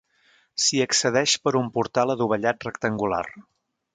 S'hi accedeix per un portal adovellat rectangular.